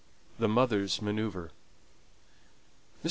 THE MOTHER'S MANOEUVRE. Mr.